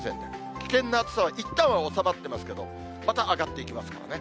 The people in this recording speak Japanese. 危険な暑さはいったんは収まっていますけれども、また上がっていきますからね。